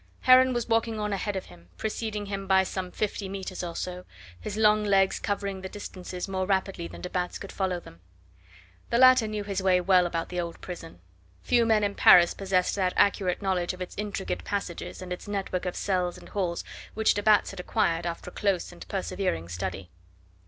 Heron was walking on ahead of him, preceding him by some fifty metres or so, his long legs covering the distances more rapidly than de Batz could follow them. The latter knew his way well about the old prison. Few men in Paris possessed that accurate knowledge of its intricate passages and its network of cells and halls which de Batz had acquired after close and persevering study.